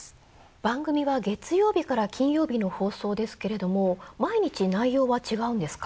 番組は月曜日から金曜日の放送ですけれども毎日内容は違うんですか？